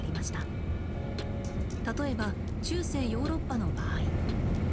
例えば中世ヨーロッパの場合。